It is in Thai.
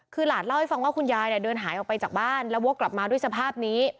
คือหลานเล่าให้ฟังว่าคุณยายเนี่ยเดินหายออกไปจากบ้านแล้ววกกลับมาด้วยสภาพนี้